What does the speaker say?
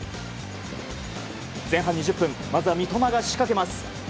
前半２０分まずは、三笘が仕掛けます。